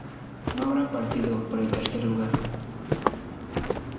No habrá partido por el tercer lugar.